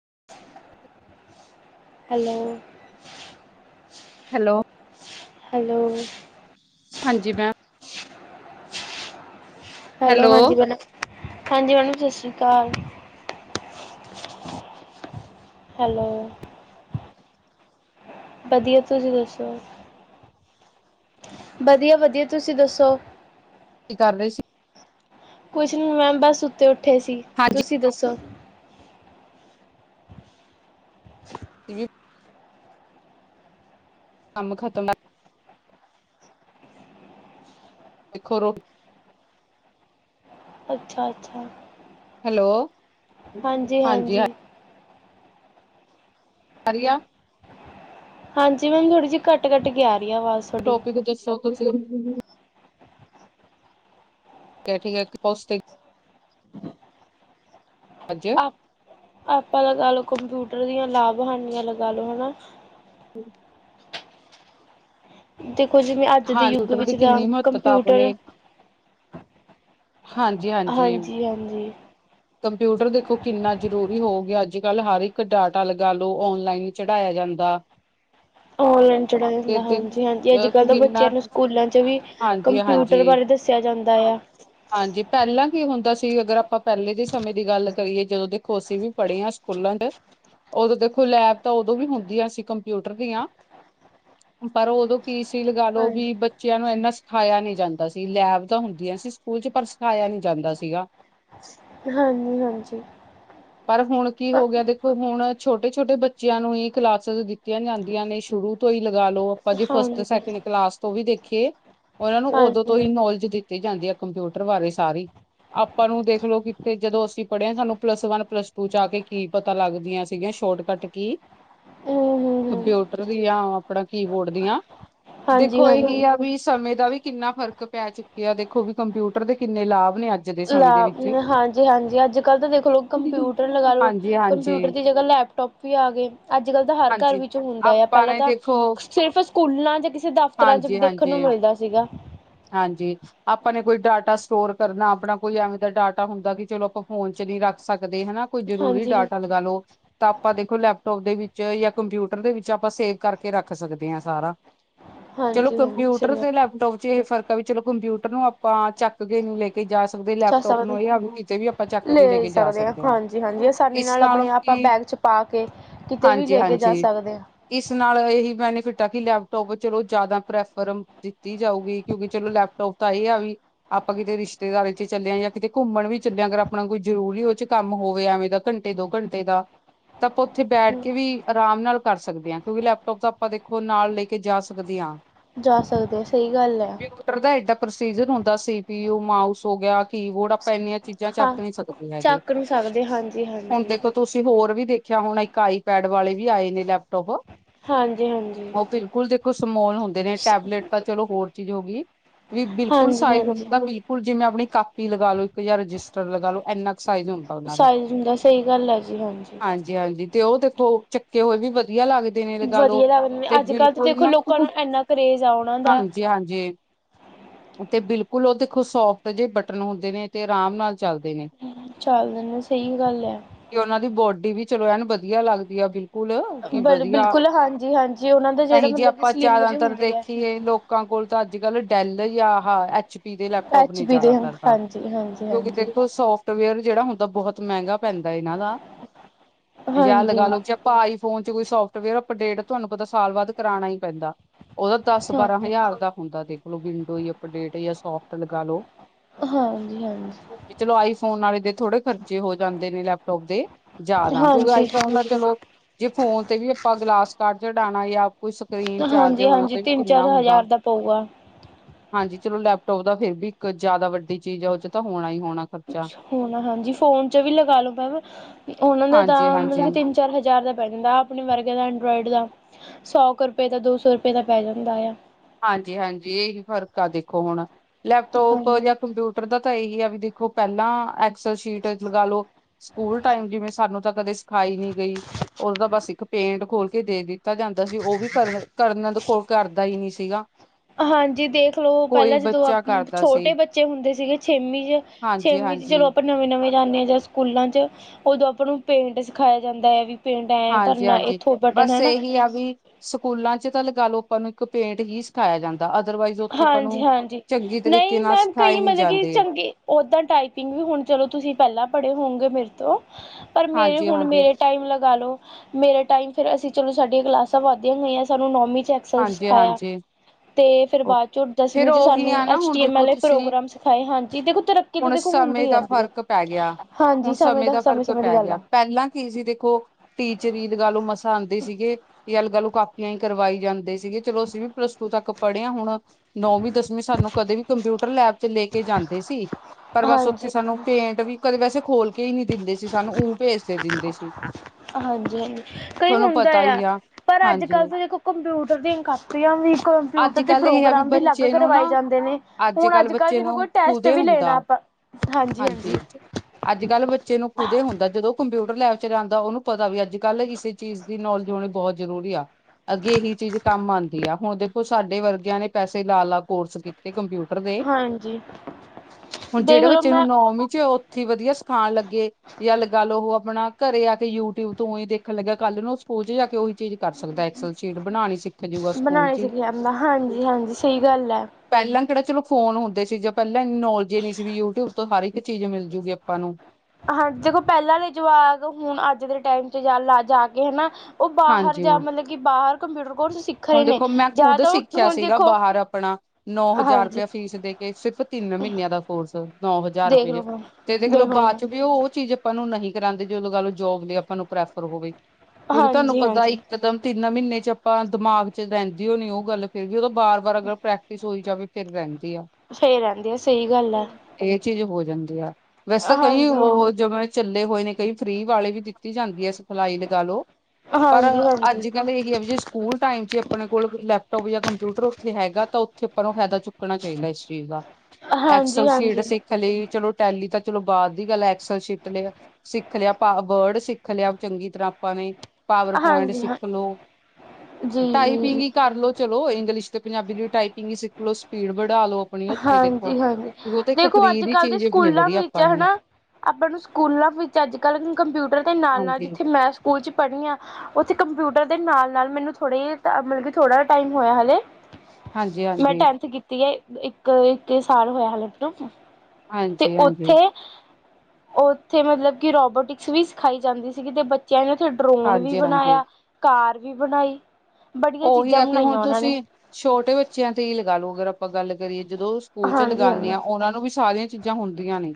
[unintelligible] Hello, hello, hello, ਹਾਂਜੀ ma'am hello, ਹਾਂਜੀ ਬੈਣਾ ਹਾਂਜੀ ਮੈਡਮ, ਸਸ ਰੀ ਕਾਲ। ਹੈਲੋ, ਵਧੀਆ ਤੁਸੀਂ ਦੱਸੋ। ਵਧੀਆ-ਵਧੀਆ ਤੁਸੀਂ ਦੱਸੋ ਕੀ ਕਰ ਰਹੀ ਸੀ। ਮੈਂ ਬਸ ਸੁੱਤੇ ਉੱਠ ਉੱਠੇ ਸੀ ਹਾਂਜੀ ਤੁਸੀਂ ਦੱਸੋ [unintelligible] ਕੰਮ ਖਤਮ ਆ। ਦੇਖੋ ਰੋਟੀ ਅੱਛਾ, ਅੱਛਾ। ਹੈਲੋ, ਹਾਂਜੀ, ਹਾਂਜੀ। ਆਰੀ ਆ ਹਾਂਜੀ ਮੈਮ ਥੋੜੀ ਜਿ ਕੱਟ ਕੱਟ ਕੇ ਆ ਰਹੀ ਐ ਆਵਾਜ਼ ਥੋਡੀ ਟੋਪਿਕ ਦੱਸੋ ਤੁਸੀਂ ਕਿਆ ਠੀਕ ਹੈ ਪੋਸਟ ਅੱਜ ਆਪ ਆਪਾਂ ਲਗਾ ਲੋ ਕੰਪਿਊਟਰ ਦੀਆਂ ਲਾਭ -ਹਨੀਆਂ ਲਗਾ ਲੋ ਹਨਾ। ਦੇਖ ਦੇਖੋ ਜਿਵੇਂ ਅੱਜ ਦੇ ਹਾਂ ਯੁੱਗ ਕੰਪਿਊਟਰ ਵਿੱਚ ਦੀ ਦਾ ਕਿੰਨੀ ਮਹੱਤਤਾ ਕੰਪਿਊਟਰ ਆਪਣੇ ਹਾਂਜੀ- ਹਾਂਜੀ। ਕੰਪਿਊਟਰ ਦੇਖੋ ਕਿੰਨਾ ਜ਼ਰੂਰੀ ਹੋ ਗਿਆ, ਅੱਜ- ਕੱਲ੍ਹ ਹਰ ਇੱਕ ਡਾਟਾ ਲਗਾ ਲੋ ਔਨਲਾਈਨ ਚੜ੍ਹਾਇਆ ਜਾਂਦਾ। ਓਨਲਾਈਨ ਚੜਿਆ ਤੇ ਜਾਂਦਾ ਤੇ ਹਾਂਜੀ- ਹਾਂਜੀ ਅੱਜ- ਅ ਕੱਲ ਤਾਂ ਕਿੰਨਾ ਬੱਚਿਆਂ ਨੂੰ ਸਕੂਲਾਂ ਚ ਵੀ ਹਾਂਜੀ ਹਾਂਜੀ ਕੰਪਿਊਟਰ ਬਾਰੇ ਦੱਸਿਆ ਜਾਂਦਾ ਆ। ਹਾਂਜੀ ਪਹਿਲਾਂ ਕੀ ਹੁੰਦਾ ਅਗਰ ਆਪਾਂ ਪਹਿਲੇ ਦੇ ਸਮੇਂ ਦੀ ਗੱਲ ਕਰੀਏ ਜਦੋਂ ਦੇਖੋ ਅਸੀਂ ਵੀ ਪੜ੍ਹੇ ਹਾਂ ਸਕੂਲਾਂ ਚ ਉਦੋਂ ਦੇਖੋ ਲੈਬ ਤਾਂ ਉਦੋਂ ਵੀ ਹੁੰਦੀਆਂ ਅਸੀਂ ਕੰਪਿਊਟਰ ਦੀਆਂ ਪਰ ਉਦੋਂ ਕੀ ਸੀ ਲਗਾਲੋ ਹਾਂਜੀ। ਵੀ ਬੱਚਿਆਂ ਨੂੰ ਇੰਨਾ ਸਿਖਾਇਆ ਨਹੀਂ ਜਾਂਦਾ ਸੀ ਲੈਬ ਤਾਂ ਹੁੰਦੀਆਂ ਸੀ, ਸਕੂਲ ਚ ਪਰ ਸਿਖਾਇਆ ਨਹੀਂ ਜਾਂਦਾ ਸੀਗਾ। ਹਾਂਜੀ ਹਾਂਜੀ ਪਰ ਹੁਣ ਕੀ ਹੋ ਗਿਆ ਦੇਖੋ ਹੁਣ ਛੋਟੇ -ਛੋਟੇ ਬੱਚਿਆਂ ਨੂੰ ਹੀ ਕਲਾਸਿਸ ਦਿੱਤੀਆਂ ਜਾਂਦੀਆਂ ਨੇ ਸ਼ੁਰੂ ਤੋਂ ਹੀ। ਲਗਾ ਲੋ ਆਪਾਂ ਜੀ ਫਸਟ ਹਾਂਜੀ ਸੈਕਿੰਡ ਕਲਾਸ ਤੋਂ ਉਹ ਵੀ ਦੇਖ [unintelligible] ਉਹਨਾਂ ਨੂੰ ਉਓਦੋਂ ਤੋਂ ਹੀ ਹਾਂਜੀ। ਨੌਲੇਜ ਦਿੱਤੀ ਜਾਂਦੀ ਹੈ। ਕੰਪਿਊਟਰ ਬਾਰੇ ਸਾਰੀ ਆਪਾਂ ਨੂੰ ਦੇਖਲਓ ਕਿ ਤੇ ਜਦੋਂ ਅਸੀਂ ਪੜ੍ਹਿਆ ਸਾਨੂੰ ਪਲੱਸ ਵਨ ਪਲੱਸ ਟੂ ਚ ਆ ਕੇ ਕੀ ਪਤਾ ਲੱਗਦੀਆਂ ਸੀਗੀਆਂ ਸ਼ੋਰਟਕੱਟ ਕੀ ਹੂੰ ਹੂੰ ਹੂੰ ਕੰਪਿਊਟਰ ਦੀਆਂ ਆਪਣਾ ਕੀਬੋਰਡ ਦੀਆਂ ਹਾਂਜੀ ਦੇਖੋ ਇਹੀ ਹਾਂਜੀ। ਆ ਵੀ ਸਮੇਂ ਦਾ ਵੀ ਕਿੰਨਾ ਫ਼ਰਕ ਪੈ ਚੁੱਕਿਆ ਆ ਦੇਖੋ ਵੀ ਕੰਪਿਊਟਰ ਦੇ ਕਿੰਨੇ ਲਾਭ ਨੇ ਅੱਜ ਦੇ ਸਮੇਂ ਦੇ ਵਿੱਚ ਯਾ ਹਾਂਜੀ। ਜੀ ਹਾਂਜੀ ਅੱਜ ਕੱਲ੍ਹ ਤਾਂ ਦੇਖ ਲਓ ਕੰਪਿਊਟਰ ਲਗਾ ਲਓ ਹਾਂਜੀ ਕੰਪਿਊਟਰ ਹਾਂਜੀ ਦੀ ਜਗ੍ਹਾ ਲੈਪਟੋਪ ਵੀ ਆ ਗਏ ਅੱਜ ਕੱਲ ਤਾਂ ਹਰ ਘਰ ਹਾਂਜੀ ਵਿੱਚ ਹੁੰਦਾ ਆ ਆਪਾਂ ਪਹਿਲਾਂ ਨੇ ਤਾਂ ਦੇਖੋ ਸਿਰਫ ਸਕੂਲਾਂ ਜਾਂ ਕਿਸੇ ਦਫ਼ਤਰਾਂ ਚ ਵੀ ਹਾਂਜੀ ਦੇਖਣ ਨੂੰ ਹਾਂਜੀ ਮਿਲਦਾ ਸੀਗਾ [unintelligible] ਹਾਂਜੀ ਆਪਾਂ ਨੇ ਕੋਈ ਡਾਟਾ ਸਟੋਰ ਕਰਨਾ ਆਪਣਾ ਕੋਈ ਐਵੇਂ ਦਾ ਡਾਟਾ ਹੁੰਦਾ ਕਿ ਚਲੋ ਆਪਾਂ ਫੋਨ ਚ ਨਹੀਂ ਰੱਖ ਸਕਦੇ। ਸਕਦੇ ਹਨਾ ਕੋਈ ਜ਼ਰੂਰੀ ਹਾਂਜੀ। ਡਾਟਾ ਲਗਾ ਲਓ ਤਾਂ ਆਪਾਂ ਦੇਖੋ ਲੈਪ ਟੋਪ ਦੇ ਵਿੱਚ ਜਾਂ ਕੰਪਿਊਟਰ ਦੇ ਵਿੱਚ ਆਪਾਂ ਸੇਵ ਕਰਕੇ ਰੱਖ ਸਕਦੇ ਹਾਂ ਸਾਰਾ। ਚਲੋ ਹਾਂਜੀ ਹਾਂਜੀ ਕੰਪਿਊਟਰ ਸਹੀ ਗੱਲ ਤੇ ਲੈਪਟੋਪ ਇਹ ਫਰਕ ਵਿੱਚ ਕੰਪਿਊਟਰ ਨੂੰ ਆਪਾਂ ਚੱਕ ਗਏ ਨੂੰਨ ਲੈ ਕੇ ਜਾ ਸਕਦੇ ਲੈਪਟੋਪ ਚਾ ਨੂੰ ਇਹ ਵੀ ਵੀ ਆਪਾਂ ਚੱਕ ਕੇ ਲੈ ਕੇ ਜਾ ਸਕਦੇ ਹਾਂਜੀ ਹਾਂ ਹਾਂਜੀ ਆਸਾਨੀ ਇਸ ਨਾਲ ਨਾਲੋਂ ਆਪਣੇ ਆਪਾਂ ਕੀ ਬੈਗ ਚ ਪਾ ਕੇ ਕਿਤੇ ਵੀ ਹਾਂਜੀ ਲੈ ਕੇ ਜਾ ਹਾਂਜੀ ਸਕਦੇ ਹਾਂ ਇਸ ਨਾਲ ਇਹੀ ਬੈਨੀਫਿਟ ਤਾਂ ਕਿ ਲੈਪਟੋਪ ਚਲੋ ਜ਼ਿਆਦਾ ਪ੍ਰੈਫਰਮ ਦਿੱਤੀ ਜਾਊਗੀ ਕਿਉਂਕਿ ਚਲੋ ਲੈਪਟੋਪ ਤਾਂ ਇਹ ਆ ਵੀ ਆਪਾਂ ਕਿਤੇ ਰਿਸ਼ਤੇਦਾਰਾਂ ਚ ਚੱਲੇ ਹਾ ਜਾਂ ਕਿਤੇ ਘੁੰਮਣ ਵੀ ਚੱਲੇ ਆ ਅਗਰ ਆਪਣਾ ਕੋਈ ਜਰੂਰੀ ਉਹ ਚ ਕੰਮ ਹੋਵੇ ਐਵੇਂ ਦਾ ਘੰਟੇ ਦੋ ਘੰਟੇ ਦਾ ਤਾਂ ਆਪਾਂ ਉੱਥੇ ਬੈਠ ਕੇ ਵੀ ਆਰਾਮ ਨਾਲ ਕਰ ਸਕਦੇ ਹਾਂ ਕਿਉਂਕਿ ਲੈਪਟੋਪ ਤਾਂ ਆਪਾਂ ਦੇਖੋ ਨਾਲ ਲੈ ਕੇ ਜਾ ਸਕਦੇ ਹਾਂ ਜਾ ਸਕਦੇ ਤੇ ਸਹੀ ਗੱਲ ਹੈ ਕੰਪਿਊਟਰ ਦਾ ਏਡਾ ਪ੍ਰੋਸੀਜਰ ਹੁੰਦਾ ਸੀ ਪੀ ਯੂ ਮਾਊਸ ਹੋ ਗਿਆ ਕੀ ਬੋਰਡ ਆਪਾਂ ਇੰਨ ਚੀਜ਼ਾਂ ਹਾਂ ਚੱਕ ਨੀ ਸਕਦੇ ਹੈਗੇ ਚੱਕ ਨਹੀਂ ਸਕਦੇ ਹਾਂਜੀ ਹੁਣ ਹਾਂਜੀ ਦੇਖੋ ਤੁਸੀਂ ਹੋਰ ਵੀ ਦੇਖ ਖਿਆ ਹੁਣ ਇੱਕ ਆਈਪੈਡ ਵਾਲੇ ਵੀ ਆਏ ਨੇ ਲੈਪਟੋਪ ਹਾਂਜੀ ਹਾਂਜੀ ਉਹ ਬਿਲਕੁਲ ਦੇਖੋ ਸਮੋਲ ਹੁੰਦੇ ਨੇ ਟੈਬਲੇਟ ਹੋਰ ਚੀਜ਼ ਹੋ ਗਈ ਵੀ ਬਿਲਕੁਲ ਹਾਂਜੀ ਸਾਈਜ਼ ਉਹਨਾਂ ਹਾਂਜੀ ਦਾ ਬਿਲਕੁਲ ਜਿਵੇਂ ਅਪਣੀ ਕਾਪੀ ਲਗਾ ਲੋ ਤੇ ਜਾਂ ਰਜਿਸਟਰ ਲਗਾ ਲੋ ਇੰਨਾ ਕੁ ਸਾਈਜ਼ ਹੁੰਦਾ ਉਹਨਾਂ ਦਾ ਸਾਈਜ ਹੁੰਦਾ ਸਹੀ ਗੱਲ ਹੈ ਜੀ ਹਾਂਜੀ ਤੇ ਉਹ ਦੇਖੋ ਚੱਕੇ ਹੋਏ ਵੀ ਵਧੀਆ ਲੱਗਦੇ ਨੇ ਲਗਾ ਲੋ ਵਧੀਆ ਲਗਦੇ ਨੇ ਤੇ ਅੱਜ ਕੱਲ੍ਹ ਤਾਂ ਬਿਲਕੁਲ ਦੇਖੋ ਨਾ ਲੋਕਾਂ ਨੂੰ ਇੰਨਾ ਕਰੇਜ਼ ਆਉਣਾ ਹਾਂਜੀ ਹਾਂਜੀ ਤੇ ਬਿਲਕੁਲ ਉਹ ਦੇਖੋ ਸੋਫਟ ਜਿਹੇ ਬਟਨ ਹੁੰਦੇ ਨੇ ਤੇ ਆਰਾਮ ਨਾਲ ਚੱਲਦੇ ਨੇ ਚੱਲਦੇ ਨੇ ਸਹੀ ਗੱਲ ਹੈ ਡੀ ਵੀ ਚਲੋ ਐਨ ਵਧੀਆ ਲੱਗਦੀ ਆ ਬਿਲ ਬਲ ਬਿਲਕੁਲ ਹਾਂਜੀ ਹਾਂਜੀ ਉਹਨਾਂ ਦਾ ਜਿਹੜਾ ਨਹੀਂ ਮਤਲਬ ਸਲਿਮ ਜਿ ਹੁੰਦੀ ਹੈ। ਲੋਕਾ ਕੋਲ ਤਾਂ ਅੱਜ ਕੱਲ ਡੈਲ ਹੀ ਆਹਾ ਐਚ ਦੇ ਲੈਪਟੋਪ ਐਚ ਨੇ ਪੀ ਦੇ ਜ਼ਿਆਦਾ ਕਰਦਾ ਹਾਂਜੀ ਹਾਂਜੀ ਕਿਉਂਕਿ ਹਾਂਜੀ ਦੇਖੋ ਸੋਫਟਵੇਅਰ ਜਿਹੜਾ ਹੁੰਦਾ ਬਹੁਤ। ਮਹਿੰਗਾ ਪੈਂਦਾ ਇਹਨਾਂ ਦਾ। ਯਾ ਲਗਾ ਹਾਂਜੀ ਲਓ ਭਾ ਫੋਨ ਚ ਕੋਈ ਸੋਫਟਵੇਅਰ ਅਪਡੇਟ ਤੁਹਾਨੂੰ ਪਤਾ ਸਾਲ ਬਾਅਦ ਕਰਾਂਣਾ ਹੀ ਪੈਂਦਾ। ਉਹਦਾ ਬਾਰਾਂ ਹਾਂਜੀ ਹਜ਼ਾਰ ਦਾ ਹੁੰਦਾ ਦੇਖ। ਵਿੰਡੋ ਅਪ ਡੇਟ ਸੋਫਟ ਲਗਾ ਲਓ ਹਾਂਜੀ ਹਾਂਜੀ ਚਲੋ ਆਈਫੋਨ ਵਾਲੇ ਦੇ ਥੋੜੇ ਖਰਚੇ ਹੋ ਜਾਂਦੇ ਦੇ ਨੇ ਲੈਪਟੋਪ ਤੇ ਜ਼ਿਆਦਾ ਕਿਉਂਕਿ ਹਾਂਜੀ ਆਈਫੋਨ ਦਾ ਚਲੋ ਜੇ ਫੋਨ ਤੇ ਵੀ ਆਪਾਂ ਗਲਾਸ ਕਾਰ ਚਾਡਾਣਾਂ ਯਾ ਆਪ ਕੋਈ ਸਕਰੀਨ ਚਾਰਦੇ ਹਾਂਜੀ ਹੋਣ ਹਾਂਜੀ ਤੇ ਤਿੰਨ ਚਾਰ ਕਿੰਨਾ ਹਜ਼ਾਰ ਦਾ ਪਊਗਾ ਜੀ ਚਲੋ ਲੈਪਟੋਪ ਦਾ ਫੇਿਰ ਵੀ ਇੱਕ ਜਿਆਦਾ ਵੱਡੀ ਚੀਜ਼ ਹੈ ਉਹ ਚ ਤਾਂ ਹੋਣਾ ਹੀ ਹੋਣਾ ਖਰਚਾ ਹਣ ਹਾਂਜੀ ਫੋਨ ਚ ਵੀ ਲਗਾ ਲੋ ਮੈਮ ਉਹਨਾਂ ਦਾ ਤਾਂ ਹਾਂਜੀ ਮਤਲਬ ਕਿ ਹਾਂਜੀ ਤਿੰਨ ਚਾਰ ਹਜ਼ਾਰ ਦਾ ਪੈ ਜਾਂਦਾ ਆਪਣੇ ਵਰਗੇ ਦਾ ਐਂਡੋਇਡ ਦਾ ਸੌ ਕੁ ਰੁਪਏ ਦਾ ਦੋ ਸੌ ਰੁਪਏ ਦਾ ਪੈ ਜਾਂਦਾ ਆ ਹਾਂਜੀ, ਹਾਂਜੀ। ਇਹੀ ਫ਼ਰਕ ਆ ਦੇਖੋ ਹੁਣ ਲੈਪਟੋਪ ਹਾਂਜੀ ਜਾਂ ਕੰਪਿਊਟਰ ਦਾ ਤਾਂ ਇਹੀ ਆ ਵੀ ਦੇਖੋ ਪਹਿਲਾਂ ਐਕਸਲ ਸ਼ੀਟ ਲਗਾ ਲੳ, ਸਕੂਲ ਟਾਈਮ ਜਿਵੇਂ ਸਾਨੂੰ ਤਾਂ ਕਦੇ ਸਿਖਾਈ ਨੀ ਗਈ। ਉਹਦਾ ਬਸ ਇੱਕ ਪੇਂਟ ਖੋਲ ਕੇ ਦੇ ਦਿੱਤਾ ਜਾਂਦਾ ਸੀ ਉਹ ਵੀ ਕਰਨ ਕਰਨ ਕੋ ਕਰਦਾ ਹੀ ਨਹੀਂ ਸੀ ਸੀਗਾ ਹਾਂਜੀ। ਦੇਖ ਲੋ ਕੋਈ ਪਹਿਲਾਂ ਜਦੋਂ ਬੱਚਾ ਆਪ ਕਰਦਾ ਸੀ ਛੋਟੇ ਬੱਚੇ ਹੁੰਦੇ ਸੀਗੇ ਛੇਵੀਂ ਚ ਛੇਵੀਂ ਚ ਹਾਂਜੀ-ਹਾਂਜੀ, ਚਲੋ ਆਪਾਂ ਨਵੇਂ-ਨਵੇਂ ਜਾਂਦੇ ਹਾਂ ਜਾਂ ਸਕੂਲਾਂ ਚ ਉਦੋਂ ਆਪਾਂ ਨੂੰ ਪੇਂਟ ਸਿਖਾਇਆ ਜਾਂਦਾ ਹੈ ਵੀ ਪੇਂਟ ਐ ਕਰਨਾ ਹਾਂਜੀ-ਹਾਂਜੀ ਇੱਥੋਂ ਬਟਨ ਬਸ ਹੈਨਾ ਇਹੀ ਆ ਵੀ ਸਕੂਲਾਂ ਚ ਤਾਂ ਲਗਾ ਲਓ ਆਪਾਂ ਨੂੰ ਇੱਕ ਪੇਂਟ ਹੀ ਸਿਖਾਇਆ ਜਾਂਦਾ ਅਦਰਵਾਈਜ਼ ਉੱਥੇ ਆਪਾਂ ਨੂੰ ਹਾਂਜੀ-ਹਾਂਜੀ। ਚੰਗੀ ਤਰੀਕੇ ਨਹੀਂ ਨਾਲ ਮੈਮ ਕਈ ਸਿਖਾਏ ਨੀ ਮਤਲਬ ਕਿ ਜਾਂਦੇ ਚੰਗੀ ਓਦਾਂ ਟਾਈਪਿੰਗ ਵੀ ਹੁਣ ਚਲੋ ਤੁਸੀਂ ਪਹਿਲਾਂ ਪੜ੍ਹੇ ਹੋਗੇ ਮੇਰੇ ਤੋਂ ਪਰ ਮੇਰੇ ਹੁਣ ਹਾਂਜੀ-ਹਾਂਜੀ, ਮੇਰੇ ਟਾਈਮ ਲਗਾ ਲੋ, ਮੇਰੇ ਟਾਈਮ ਫਿਰ ਅਸੀਂ ਚਲੋ ਸਾਡੀਆਂ ਕਲਾਸਾਂ ਵੱਧਦੀ ਗਈਆਂ ਸਾਨੂੰ ਨੋਮੀ ਐਕਸਲ ਸਿਖਾਇਆ ਹਾਂਜੀ-ਹਾਂਜੀ ਤੇ ਫਿਰ ਬਾਅਦ ਚੋਂ ਫੇਰ ਦਸਵੀਂ 'ਚ ਉਹੀ ਸਾਨੂੰ ਆ ਨਾ ਐਚ ਹੁਣ ਟੀ ਐਮ ਦੇਖੋ ਐਲ ਏ ਤੁਸੀਂ, ਪ੍ਰੋਗਰਾਮ ਸਿਖਾਏ ਹਾਂਜੀ ਦੇਖੋ ਤਰੱਕੀ ਤਾਂ ਹੁਣ ਦੇਖੋ ਸਮੇਂ ਹੁੰਦੀ ਦਾ ਰਹਿੰਦੀ ਆ। ਫ਼ਰਕ ਪੈ ਗਿਆ, ਹਾਂਜੀ ਹੁਣ ਸਮੇਂ ਦਾ ਫ਼ਰਕ ਸਮੇਂ-ਸਮੇਂ ਦੀ ਪੈ ਗੱਲ ਗਿਆ। ਆ ਪਹਿਲਾਂ ਕੀ ਸੀ ਦੇਖੋ ਟੀਚਰੀ ਦੀ ਲਗਾ ਲਓ ਮਸਾਂ ਆਦੇ ਸੀਗੇ ਗੱਲੋਂ ਕਾਪੀਆਂ ਹੀ ਕਰਵਾਈ ਜਾਂਦ ਸੀਗੇ ਚਲੋ ਅਸੀਂ ਵੀ ਪਲੱਸ ਟੂ ਤੱਕ ਪੜ੍ਹੇ ਹਾਂ ਹੁਣ ਨੌਵੀਂ ਦਸਵੀਂ ਸਾਨੂੰ ਕਦੇ ਵੀ ਕੰਪਿਊਟਰ ਲੈਬ ਚ ਲੈ ਕੇ ਜਾਂਦੇ ਸੀ। ਪਰ ਬਸ ਉੱਥੇ ਹਾਂਜੀ। ਸਾਨੂੰ ਪੇਂਟ ਵੀ ਕਦੇ ਵੈਸੇ ਖੋਲ ਕੇ ਹੀ ਨਹੀਂ ਦਿੰਦੇ ਸੀ। ਸਾਨੂੰ ਊਹ ਭੇਜਦੇ ਦਿੰਦੇ ਸੀ ਹਾਂਜੀ ਹਾਂਜੀ ਕਈ ਤੁਹਾਨੂੰ ਹੁੰਦਾ ਪਤਾ ਹੀ ਆ ਪਰ ਅੱਜ ਹਾਂਜੀ। ਕੱਲ੍ਹ ਤਾਂ ਦੇਖੋ ਕੰਪਿਊਟਰ ਦੀਆਂ ਕਾਪੀਆਂ ਵੀ ਕੰਪਿਊਟਰ ਅੱਜ ਦੇ ਕੱਲ ਇਹ ਆ ਪ੍ਰੋਗਰਾਮ ਵੀ ਅਲੱਗ ਬੱਚੇ ਨੂੰ ਨਾ ਕਰਵਾਏ ਜਾਂਦੇ ਨੇ, ਹੁਣ ਕੱਲ੍ਹ ਅੱਜ, ਕਲ ਬੱਚੇ ਜਿਵੇਂ ਨੂੰ ਕੋਈ ਟੈਸਟ ਖੁਦੇ ਵੀ ਲੈਣਾ ਹੁੰਦਾ ਹਾਂਜੀ। ਅੱਜ-ਕੱਲ੍ਹ ਬੱਚੇ ਨੂੰ ਖਦੇ ਹੁੰਦਾ ਜਦੋਂ ਕੰਪਿਊਟਰ ਲੈਬ ਚ ਲਿਆਂਦਾ ਉਹਨੂੰ ਪਤਾ ਵੀ ਅੱਜ-ਕੱਲ ਇਸੇ ਚੀਜ਼ ਦੀ ਨੌਲੇਜ ਹੋਣੀ ਬਹੁਤ ਜ਼ਰੂਰੀ ਆ ਅੱਗੇ ਇਹੀ ਚੀਜ਼ ਕੰਮ ਆਉਂਦੀ ਆ ਹੁਣ ਦੇਖੋ ਸਾਡੇ ਵਰਗਿਆਂ ਨੇ ਪੈਸੇ ਲਾ ਲਾ ਕੋਰਸ ਕੀਤੇ ਕੰਪਿਊਟਰ ਉੱਤਰ ਦੇ, ਹਾਂਜੀ ਹੁਣ ਜਿਹੜੇ ਦੇਖਲੋ ਬੱਚੇ ਹੁਣ ਮੈਂ ਨੌਵੀਂ ਚ ਉੱਥੇ ਵਧੀਆ ਸਿਖਾਉਣ ਲੱਗੇ। ਜਾਂ ਗੱਲ ਉਹ ਆਪਣਾ ਘਰੇ ਆ ਕੇ ਯੂਟਿਊਬ ਤੋਂ ਦੇਖਣ ਲੱਗਿਆ ਕੱਲ ਨੂੰ ਸਕੂਲ ਚ ਜਾ ਕੇ ਉਹੀ ਚੀਜ਼ ਕਰ ਸਕਦਾ ਐਕਸਲ ਸ਼ਟ ਬਣਾਣੀ ਸਿੱਖ ਜੂਗਾ ਸਕੂਲ ਬਣਾਣਾ ਚ ਹੀ ਸਿਖਿਆ ਜਾਂਦਾ ਹਾਂਜੀ-ਹਾਂਜੀ। ਸਹੀ ਗੱਲ ਹੈ। ਪਹਿਲਾਂ ਕਿਹੜਾ ਚਲੋ ਫੋਨ ਹੁੰਦੇ ਸੀ ਜਾਂ ਪਹਿਲਾਂ ਇੰਨੀ ਨੌਲੇਜ ਨ ਨਹੀਂ ਸੀ ਵੀ ਯੂਟਿਊਬ ਤੋਂ ਹਰ ਇੱਕ ਚੀਜ਼ ਮਿਲਜੂਗੀ ਆਪਾਂ ਨੂੰ ਹਾਂਜੀ। ਦੇਖੋ ਪਹਿਲਾਂ ਦੇ ਜਵਾਕ ਹੁਣ ਅੱਜ ਦੇ ਟਾਈਮ ਚ ਜਾ ਕੇ ਹੈਨਾ ਉਹ ਬਾਹਰ ਹਾਂਜੀ ਜਾ ਮਤਲਬ ਕਿ ਬਾਹਰ ਕੰਪਿਊਰ ਹੁਣ ਦੇਖੋ ਮੈਂ ਖੁੱਦ ਸਿੱਖਿਆ ਸੀਗਾ ਦੇਖੋ ਬਾਹਰ ਆਪਣਾ ਨੌ ਹਜ਼ਾਰ ਹਾਂਜੀ ਰੁਪਇਆ ਫੀਸ ਦੇ ਕੇ ਸਿਰਫ ਤਿੰਨ ਮਹੀਨਿਆਂ ਦਾ ਕੋਰਸ। ਨੋ ਹਜ਼ਾਰ ਦੇਖ ਲਓ ਰੁਪਏ, ਮੈਮ ਤੇ ਦੇਖਲੋ ਦੇਖ ਲਓ ਬਾਅਦ ਮੈਮ ਚ ਵੀ ਉਹ ਚੀਜ਼ ਆਪਾਂ ਨੂੰ ਨਹੀਂ। ਕਰਾਦੇ ਜਦੋ ਗੱਲ ਜੋਬ ਲਈ ਆਪਾਂ ਨੂੰ ਪ੍ਰੈਫਰ ਹੋਵੇ ਕਿਉਂਕਿ ਤੁਹਾਨੂੰ ਹਾਂਜੀ ਪਤਾ ਹਾਂਜੀ ਇਕ ਕਦਮ ਤਿੰਨੇ ਮਹੀਨੇ ਚ ਆਪਾਂ ਦਿਮਾਗ ਚ ਰਹਿੰਦੀ ਹੋਣੀ, ਉਹ ਗੱਲ ਫਿਰ ਜਦੋ ਬਾਰ ਬਾਰ ਅਗਰ ਪ੍ਰੈਕਟਿਸ ਹੋਈ ਜਾਵੇ ਫਿਰ ਰਹਿਣ ਫੇਰ ਰਹਿੰਦੇ ਆ ਸਹੀ ਗੱਲ ਆ। ਜਾਂਦੇ ਆ। ਵੈਸਾ ਕਹੀ ਉਹ ਜੋ ਮੈਂ ਚੱਲ ਹੋਏ ਨੇ ਕਈ ਫ੍ਰਰੀ ਵਾਲੇ ਵੀ ਦਿੱਤੀ ਜਾਂਦੀ ਆ, ਸਿਖਲਾਈ ਲਗਾ ਲਓ। ਪਰ ਹਾਂਜੀ ਹਾਂਜੀ ਅੱਜ ਕੱਲ ਇਹੀ ਆ ਵੀ ਜੇ ਟਾਈਮ ਚ ਆਪਣੇ ਕੋਲ ਲੈਪਟੋਪ ਜਾਂ ਕੰਪਿਊਟਰ ਉੱਥੇ ਹੈਗਾ, ਤਾਂ ਉੱਥੇ ਆਪਾਂ ਨੂੰ ਫਾਇਦਾ ਚੁੱਕਣਾ ਚਾਹੀਦਾ ਇਸ ਚੀਜ਼ ਦਾ। ਐਕਸਲ ਹਾਂਜੀ ਸੀਟ ਹਾਂਜੀ ਸਿੱਖ ਲਈ ਚਲੋ ਟੈਲੀ ਤ ਚਲੋ ਬਾਅਦ ਦੀ ਗੱਲ ਐਕਸਰਸ਼ਿਟ ਲਿਆ ਸਿੱਖ ਲਿਆ, ਵਰਡ ਸਿੱਖ ਲਿਆ, ਚੰਗੀ ਤਰ੍ਹਾਂ ਆਪਾਂ ਨੇ ਪਾਵਰ ਪੁਆਇੰਟ ਹਾਂਜੀ ਹਾਂ ਸਿੱਖਲੋ ਜੀ ਜੀ ਟਾਈਪਿੰਗ ਜੀ ਹੀ ਕਰਲੋ ਚਲੋ ਇੰਗਲਿਸ਼ ਤੇ ਪੰਜਾਬੀ ਦੀ ਟਾਈਪਿੰਗ ਹੀ ਸਿੱਖ ਲਓ, ਸਪੀਡ ਵਧਾ ਲਓ ਹਾਂਜੀ ਹਾਂਜੀ, ਦੇਖੋ ਅੱਜ ਦੀ ਕੱਲ ਦੇ ਚੀਜ਼ ਮਿਲ ਸਕੂਲਾਂ ਰਹੀ ਵਿੱਚ ਆਪਾਂ ਨੂੰ ਹਨਾ, ਆਪਾਂ ਨੂੰ ਸਕੂਲਾਂ ਵਿੱਚ ਅੱਜ ਕੱਲ ਕੰਪਿਊਟਰ ਦੇ ਨਾਲ ਨਾਲ ਹਾਂਜੀ ਜਿੱਥੇ ਮੈਂ ਸਕੂਲ ਚ ਪੜ੍ਹੀ ਹਾਂ, ਉੱਥੇ ਕੰਪਿਊਟਰ ਦੇ ਨਾਲ ਨਾਲ ਮੈਨੂੰ ਥੋੜੇ, ਮਤਲਬ ਥੋੜਾ ਜਿਹਾ ਟਾਈਮ ਹੋਇਆ ਹਲੇ ਹਾਂਜੀ ਮੈਂ ਹਾਂਜੀ ਟੈਨਥ ਹਾਂਜੀ ਕੀਤੀ ਏ। ਇੱਕ ਇੱਕ ਇੱਕ ਸਾਲ ਹੋਇਆ ਹਲੇ ਮੈਨੂੰ ਤੇ ਹਾਂਜੀ ਉੱਥੇ ਉੱਥੇ ਮਤਲਬ ਕਿ ਰੋਬੋਟਿਕਸ ਵੀ ਸਿਖਾਈ ਜਾਂਦੀ ਸੀਗੀ, ਤੇ ਬੱਚਿਆਂ ਨੂੰ ਉੱਥੇ ਡਰੋਨ ਵੀ ਹਾਂਜੀ ਹਾਂਜੀ ਬਣਾਇਆ, ਕਾਰ ਵੀ ਬਣਾਈ। ਬੜੀਆਂ ਉਹੀ ਚੀਜ਼ਾਂ ਆ ਕਿ ਬਣਾਈਆਂ ਹੁਣ ਉਹਨਾਂ ਨੇ। ਤੁਸੀਂ ਛੋਟੇ ਬੱਚਿਆਂ ਤੇ ਹੀ ਲਗਾ ਲਓ, ਅਗਰ ਆਪਾਂ ਗੱਲ ਕਰੀਏ ਜਦੋਂ ਸਕੂਲ ਚ ਹਾਂਜੀ ਲਗਾਉਂਦੇ ਹਾਂਜੀ ਹਾਂ, ਉਹਨਾਂ ਨੂੰ ਵੀ ਸਾਰੇ ਚੀਜ਼ਾਂ ਹੁੰਦੀਆਂ ਨੇ।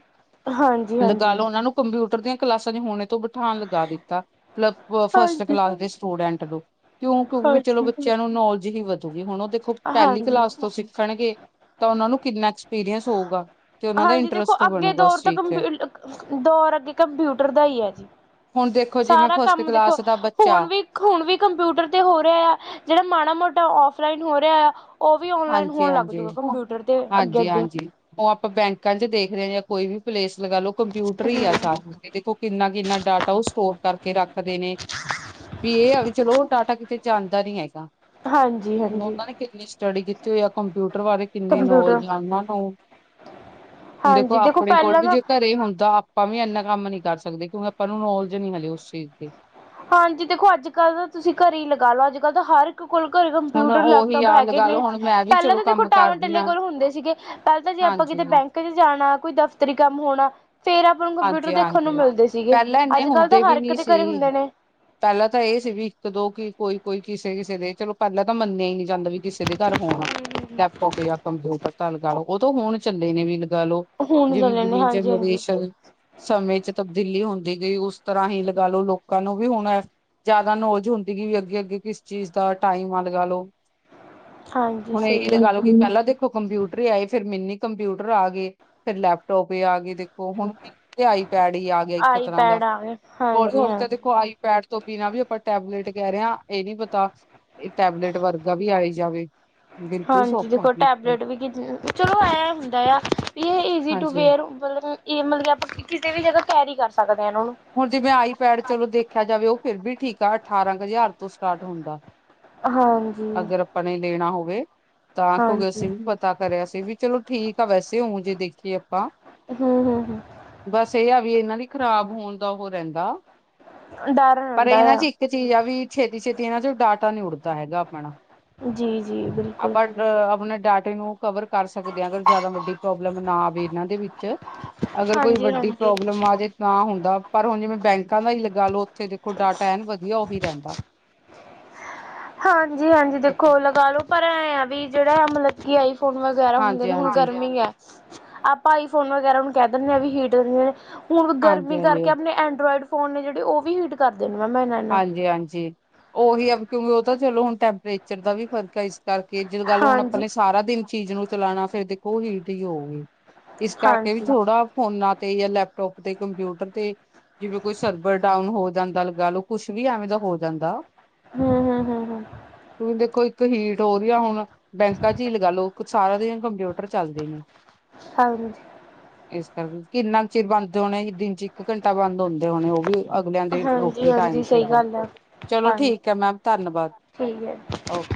ਹਾਂਜੀ ਲਗਾ ਹਾਂਜੀ ਲਓ ਉਹਨਾ ਨੂੰ ਕੰਪਿਊਟਰ ਕੰਪਿਊਟਰ ਦੀਆਂ ਕਲਾਸਾਂ ਚ ਹੋਣੇ ਤੋਂ ਬਿਠਾਨ ਲਗਾ ਦਿੱਤਾ, ਮਤਲਬ ਫਸਟ ਹਾਂਜੀ ਕਲਾਸ ਦੇ ਸਟੂਡੈਂਟ [unintelligible] ਕਿਉਂ ਕਵੌ ਚਲੋ ਹਾਂਜੀ ਬੱਚਿਆਂ ਨੂੰ [unintelligible] ਹੀ ਵਧੂਗੀ ਹੁਣ ਦੇਖੋ ਪਹਿਲੀ ਹਾਂਜੀ ਕਲਾਸ ਤੋਂ ਸਿੱਖਣਗੇ। ਤਾਂ ਉਹਨਾਂ ਨੂੰ ਕਿੰਨਾ ਐਕਸਪੀਰੀਅੰਸ ਹੋਊਗਾ। ਤੇ ਉਹਨਾਂ ਦਾ ਹਾਂਜੀ ਦੇਖੋ ਇੰਟਰਸਟ ਅੱਗੇ ਬਣੂਗਾ ਉਸ ਦੌਰ ਤਾਂ ਚੀਜ਼ ਚ ਕੰਪਿਊ ਦੌਰ ਅੱਗੇ ਕੰਪਿਊਟਰ ਦਾ ਹੀ ਹੈ ਜੀ ਹੁਣ ਦੇਖੋ ਜਿਵੇਂ ਸਾਰਾ ਫਸਟ ਕੰਮ ਦੇਖੋ ਕਲਾਸ ਦਾ ਹੁਣ ਬੱਚਾ ਵੀ ਹੁਣ ਵੀ ਕੰਪਿਊਟਰ ਤੇ ਹੋ ਰਿਹਾ ਆ। ਜਿਹੜਾ ਮਾੜਾ ਮੋਟਾ ਫਲਾਈਨ ਹੋ ਰਿਹਾ ਆ। ਉਹ ਵੀ ਓਨਲਾਈਨ ਹਾਂਜੀ ਹੋਣ ਲੱਗ ਹਾਂਜੀ ਜਾੂਗਾ ਕੰਪਿਊਟਰ ਤੇ ਅੱਗੇ ਅੱਗੇ ਕੰਜ ਦੇਖਦੇ ਜਾਂ ਕੋਈ ਵੀ ਪਲੇਸ ਗ ਲਓ ਕੰਪਿਊਟਰ ਹੀ ਆ ਸਾਰਿਆਂ। ਕਿੰਨਾ ਕਿੰਨਾ ਡਾਟਾ ਉਹ ਸਟੋਰ ਕਰਕੇ ਰੱਖ ਕਦੇ ਨੇ ਵੀ ਇਹ ਵੀ ਚਲੋ ਉਹ ਟਾਟਾ ਕਿਤੇ ਚ ਆਂਦਾ ਨੀ ਹੈਗਾ। ਹਾਂਜੀ ਹੁਣ ਹਾਂਜੀ। ਉਹਨਾਂ ਨੇ ਕਿੰਨੀ ਸਟੱਡੀ ਕੀਤੀ ਜਾਂ ਕੰਪਿਊਟਰ ਬਾਰੇ ਕਿੰਨੇ ਕੰਪਿਊਟਰ ਨੌਜਾਨਾਂ ਨੂੰ ਹੁਣ ਦੇਖੋ ਹਾਂਜੀ ਆਪਣੇ ਕੋਲ ਪਹਿਲਾਂ ਵੀ ਨਾ ਜੇ ਘਰੇ ਹੁੰਦਾ ਆਪਾਂ ਵੀ ਇੰਨਾ ਕੰਮ ਨੀ ਕਰ ਸਕਦੇ ਕਿਉਂਕਿ ਆਪਾਂ ਨੂੰ ਨੌਲਜ ਨਹੀਂ ਮਿਲੀ ਉਸ ਚੀਜ਼ ਦੀ। ਹਾਂਜੀ ਦੇਖੋ ਅੱਜ ਕੱਲ ਤਾਂ ਤੁਸੀਂ ਘਰੇ ਹੀ ਲਗਾ ਲੋ ਅੱਜ ਕੱਲ੍ਹ ਤਾਂ ਹਰ ਕੋਲ ਘਲ ਹੁਣ ਕੰਪਿਊਟਰ ਉਹੀ ਲੈਪਟੋਪ ਆ ਹੈਗੇ ਲਗਾ ਨੇ ਲਓ ਹੁਣ ਮੈਂ ਵੀ ਪਹਿਲਾਂ ਚਲੋ ਤਾਂ ਦੇਖੋ ਕੰਮ ਟਾਵਰ ਕਰਦੀ ਟਲੇ ਹਾਂ ਕੋਲ ਹੁੰਦੇ ਸੀਗੇ ਪਹਿਲਾਂ ਤਾਂ ਜੇ ਆਪਾਂ ਕਿਤੇ ਹਾਂਜੀ। ਬੈਂਕ ਚ ਜਾਣਾ ਕੋਈ ਦਫ਼ਤਰੀ ਕੰਮ ਹੋਣਾ। ਫੇਰ ਆਪਾਂ ਨੂੰ ਕੰਪਿਊਟਰ ਦੇਖਣ ਨੂੰ ਹਾਂਜੀ-ਹਾਂਜੀ ਮਿਲਦੇ ਸੀਗੇ ਪਹਿਲਾਂ ਇੰਨੇ ਅੱਜ ਕੱਲ ਤਾਂ ਹੁੰਦੇ ਹਰ ਵੀ ਇੱਕ ਨੀ ਦੇ ਘਰੇ ਸੀ ਹੁੰਦੇ ਨੇ। ਪਹਿਲਾਂ ਤਾਂ ਇਹ ਸੀ ਵੀ ਇੱਕ ਦੋ ਕੀ ਕੋਈ ਕੋਈ ਕਿਸੇ ਕਿਸੇ ਦੇ ਚਲੋ ਪਹਿਲਾਂ ਤਾਂ ਮੰਨਿਆ ਹੀ ਜਾਂਦਾ ਵੀ ਕਿਸੇ ਦੇ ਘਰ ਹੋਣ ਲੈਪਟੋਪ ਜਾਂ ਕੰਪਿਊਟਰ ਤਾਂ ਲਗਾ ਲਓ। ਉਹ ਤਾਂ ਹੋਣ ਚੰੱਲੇ ਨੇ ਵੀ ਗਾਲੋ ਹੁਣ ਜਿਵੇ ਚਲੇ ਨੇ ਜਿਮੀ ਚ ਹਾਂਜੀ ਹਾਂਜੀ ਨਰੇਸ਼ਨਲ ਸਮੇਂ ਚ ਤਬਦੀਲੀ ਹੁੰਦੀ ਗਈ ਉਸ ਤਰ੍ਹਾਂ ਹੀ ਲਗਾ ਲਓ ਲੋਕਾਂ ਨੂੰ ਵੀ ਹੁਣ ਜ਼ਿਆਦਾ ਨੌਲੇਜ ਹੁੰਦੀ ਗਈ ਵੀ ਅੱਗੇ ਅੱਗੇ ਕਿਸ ਚੀਜ਼ ਦਾ ਟਾਈਮ ਆ ਲਗਾ ਲਓ ਹਾਂਜੀ ਹੁਣ ਇਹਹੀ ਸਹੀ ਤੇ ਗੱਲ ਗ ਲਓ ਆ, ਕਿ ਪਹਿਲਾਂ ਦੇਖੋ ਕੰਪਿਊਟਰ ਹੀ ਆਏ ਫੇਰ ਮੈਨੀ ਕੰਪਿਊਟਰ ਆ ਗਏ ਫੇਰ ਲੈਪਟੋਪ ਵੀ ਆ ਗਏ ਦੇਖੋ ਹੁਣ ਤੇ ਆਈ ਪੈਡ ਹੀ ਆ ਗਿਆ ਇੱਕ ਆਈ ਤਰ੍ਹਾਂ ਦਾ ਪੈਡ ਆ ਗਏ ਹ ਹਾਂਜੀ ਹਣ ਤੇ ਹਾਂਜੀ ਦੇਖੋ ਆਈ ਪੈਡ ਤੋਂ ਪੀਣਾ ਵੀ ਆਪਾਂ ਟੈਬਲੇਟ ਕਹਿ ਰਹੇ ਹਾਂ ਇਹ ਨੀ ਪਤਾ ਇਹ ਟੈਬਲੇਟ ਵਰਗਾ ਵੀ ਆਈ ਜਾਵੇ। ਬਿਲਕੁਲ ਹਾਂਜੀ ਸੌਖਾ ਦੇਖੋ ਬਿਲਕੁਲ ਟੈਬਲੇਟ ਵੀ ਚਲੋ ਐ ਹੁੰਦਾ ਆ ਈਜ਼ੀ ਟੂ ਹਾਂਜੀ ਬੇਅਰ ਮਤਲਬ ਮਤਲਬ ਆਪਾਂ ਕਿਸੇ ਵੀ ਜਗ੍ਹਾ ਕੈਰੀ ਕਰ ਸਕਦੇ ਹਾਂ ਇਹਨਾਂ ਨੂੰ ਹੁਣ ਜਿਵੇਂ ਆਈਪੈਡ ਚਲੋ ਦੇਖਿਆ ਜਾਵੇ ਉਹ ਫਿਰ ਵੀ ਠੀਕ ਸਾਡੇ ਅਠਾਰਾਂ ਕੁ ਹਜ਼ਾਰ ਤੋਂ ਸਟਾਟ ਹੁੰਦਾ ਹਾਂਜੀ ਅਗਰ ਆਪਾਂ ਨੇ ਲੈਣਾ ਹੋਵੇ। ਤਾਂ ਕਿਉਕਿ ਹਾਂਜੀ ਸੀ। ਪਤਾ ਕਰਿਆ ਸੀ, ਵੀ ਚਲੋ ਠੀਕ ਤਾਂ ਵੈਸੇ ਊ ਜੇ ਦੇਖੀਏ ਆਪਾਂ ਹੂੰ, ਹੂੰ, ਹੂੰ ਬਸ ਇਹ ਆ ਵੀ ਇਹਨਾਂ ਦੀ ਖਰਾਬ ਹੋਣ ਦਾ ਉਹ ਰਹਿੰਦਾ ਡਰ ਪਰ ਰਹਿਦਾ ਇਹਨਾਂ ਚ ਏਆ। ਇੱਕ ਚੀਜ਼ ਆ ਵੀ ਛੇਤੀ, ਛੇਤੀ ਇਹਨਾਂ ਚੋ ਡਾਟਾ ਨਈ ਉਡਦਾ ਹੈਗਾ। [inaudible] ਜੀ। ਜੀ ਬਿਲਕੁਲ ਆਪਾਂ ਆਪਨੇ ਡਾਟੇ ਨੂੰ ਕਵਰ ਕਰ ਸਕਦੇ ਆ। ਅਗਰ ਜ਼ਿਆਦਾ ਵੱਡੀ ਪ੍ਰੋਬਲਮ ਨਾ ਆਵੇ। ਇਹਨਾਂ ਦੇ ਵਿੱਚ ਅਗਰ ਕੋਈ ਹਾਂਜੀ ਵੱਡੀ ਹਾਂਜੀ ਪ੍ਰੋਬਲਮ ਆ ਜਾਵੇ। ਤਾਂ ਹੁੰਦਾ ਪਰ ਹੁਣ ਜਿਵੇਂ ਬੈਂਕਾਂ ਦਾ ਹੀ ਗੱਲ ਉੱਥੇ ਦੇਖੋ ਡਾਟਾ ਐਨ ਵਧੀਆ ਉਹੀ ਰਹਿੰਦਾ। ਹਾਂਜੀ, ਹਾਂਜੀ ਦੇਖੋ ਲਗਾ ਲੋ। ਪਰ, ਐਂ ਆ ਵੀ ਜਿਹੜਾ ਮਤਲੱ ਆਈ ਫੋਨ ਵਗੈਰਾ ਹੁੰਦੇ ਹਾਂਜੀ ਨੇ। ਹੁਣ ਹਾਂਜੀ ਗਰਮੀ ਆ। ਆਪਾਂ ਆਈ ਫੋਨ ਵਗੈਰਾ ਕਹਿ ਦਿੰਨੇ ਵੀ ਹੀਟ ਹੁਨ ਹਾਂਜੀ ਗਰਮੀ ਹਾਂਜੀ ਕਰਕੇ ਆਪਣੇ ਐਂਡਰੋਇਡ ਫੋਨ ਨੇ ਜਿਹੜੇ ਉਹ ਵੀ ਹੀਟ ਕਰਦੇ ਨੇ ਮੈਮ ਇਹਨਾਂ ਨਾਲ ਹਾਂਜੀ, ਹਾਂਜੀ ਉਹੀ ਆ ਚਲੋ ਹੁਣ ਟੈਂਪਰੇਚਰ ਦਾ ਵੀ ਫਰਕ ਐ। ਇਸ ਕਰਕੇ ਜੱਦ ਗੱਲ ਹੁਣ ਆਪਾਂ ਹਾਂਜੀ ਨੇ ਸਾਰਾ ਦਿਨ ਚੀਜ਼ ਨੂੰ ਚਲਾਨਾ ਫੇਰ ਦੇਖੋ ਹੀਟ ਈ ਹੋਉਗੀ। ਇਸ ਕਰਕੇ ਵੀ ਹਾਂਜੀ ਥੋੜਾ ਫੋਨਾ ਤੇ ਜਾਂ ਲੈਪਟੋਪ, ਤੇ ਕੰਪਿਊਟਰ ਤੇ ਜਿਵੇਂ ਕੋਈ ਸਰਬਰ ਡਾਊਨ ਹੋ ਜਾਂਦਾ। ਲਗਾਲੋ ਕੁਛ ਵੀ ਐਵੇਂ ਦਾ ਹੋ ਜਾਂਦਾ। ਹੂ, ਹੂ, ਹੂੰ, ਹੂ ਦੇਖੋ ਇੱਕ ਹੀਟ ਹੋ ਰਹੀ ਆ। ਹੁਣ ਬੈਂਕਾਂ ਚ, ਹੀ ਲਾਲੋ ਲੋਕ ਸਾਰਾ ਦਿਨ ਕੰਪਿਊਟਰ ਚੱਲਦੇ ਨੇ। ਹਾਂਜੀ ਇਸ ਕਰਕੇ ਕਿੰਨਾ ਕੁ ਚਿਰ ਬੰਦ ਹੋਣੇ। ਦਿਨ ਚ ਇੱਕ ਘੰਟਾ ਬੰਦ ਹੁੰਦੇ ਹੋਣੇ। ਉਹ ਵੀ ਅਗਲਿਆਂ ਦੇ ਰੋਟੀ ਟਾਈਮ ਹਾਂਜੀ-ਹਾਂਜੀ, ਸਹੀ ਗੱਲ ਆ, ਚਲੋ ਹਾਂਜੀ ਠੀਕ ਐ। ਮੈਮ ਧੰਨਵਾਦ ਠੀਕ ਐ। ਓਕੇ।